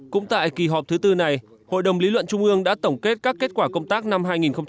cũng tại kỳ họp thứ tư này hội đồng lý luận trung ương đã tổng kết các kết quả công tác năm hai nghìn một mươi chín